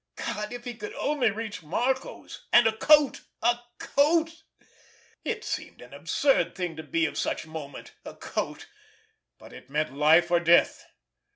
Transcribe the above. God, if he could only reach Marco's—and a coat! A coat! It seemed an absurd thing to be of such moment—a coat! But it meant life or death.